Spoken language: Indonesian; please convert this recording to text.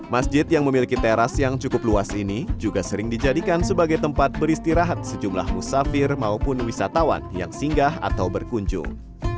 masjid yang memiliki teras yang cukup luas ini juga sering dijadikan sebagai tempat beristirahat sejumlah musafir maupun wisatawan yang singgah atau berkunjung